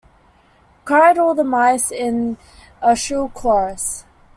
Cried all the mice, in a shrill chorus.